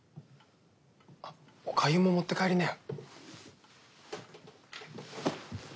あっおかゆも持って帰りなよ。